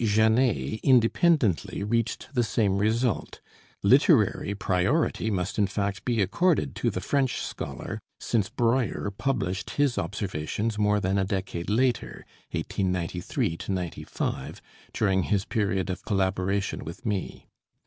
Janet independently reached the same result; literary priority must in fact be accorded to the French scholar, since Breuer published his observations more than a decade later (1893 95) during his period of collaboration with me.